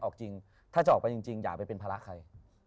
ออกจริงถ้าออกจริงอย่านะ้าไปเป็นพระละใคร